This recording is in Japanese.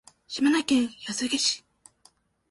島根県安来市